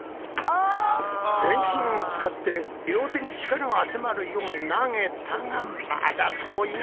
全身を使って両手に力が集まるように投げたがまだ遠いな。